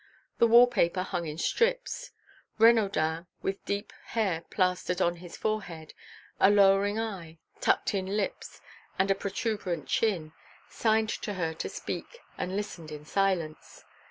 The wall paper hung in strips. Renaudin, with black hair plastered on his forehead, a lowering eye, tucked in lips, and a protuberant chin, signed to her to speak and listened in silence.